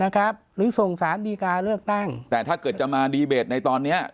หรือส่งสารดีการเลือกตั้งแต่ถ้าเกิดจะมาดีเบตในตอนเนี้ย